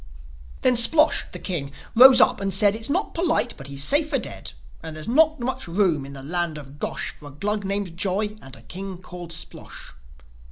Then Splosh, the king, rose up and said, "It's not polite; but he's safer dead. And there's not much room in the land of Gosh For a Glug named Joi and a king called Splosh!"